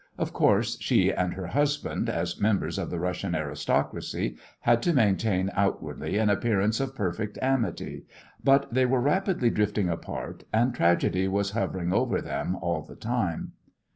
Of course she and her husband, as members of the Russian aristocracy, had to maintain outwardly an appearance of perfect amity, but they were rapidly drifting apart, and tragedy was hovering over them all the time.